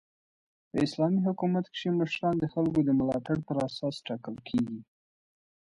په اسلامي حکومت کښي مشران د خلکو د ملاتړ پر اساس ټاکل کیږي.